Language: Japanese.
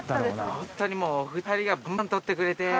ホントにもうお二人がバンバン捕ってくれて。